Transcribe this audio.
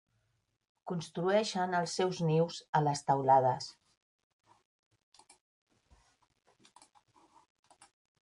Construeixen els seus nius a les teulades.